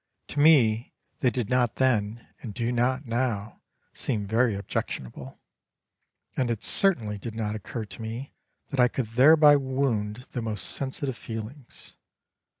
To me they did not then, and do not now, seem very objectionable; and it certainly did not occur to me that I could thereby wound the most sensitive feelings.